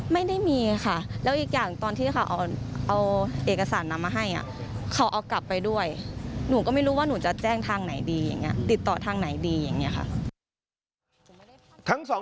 ไม่ได้มีข่าวว่าจะแจ้งความราวร้อน